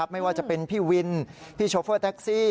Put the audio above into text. ไม่ว่าจะเป็นพี่วินพี่โชเฟอร์แท็กซี่